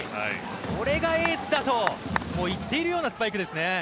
俺がエースだと言っているようなスパイクですね。